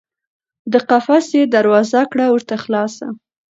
د قفس یې دروازه کړه ورته خلاصه